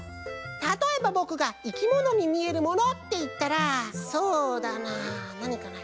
たとえばぼくが「いきものにみえるもの」っていったらそうだななにかな。